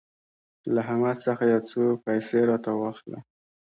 له احمد څخه يو څو پيسې راته واخله.